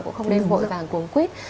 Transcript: cũng không nên vội vàng cuốn quyết